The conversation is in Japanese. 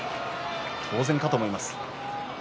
当然だと思います。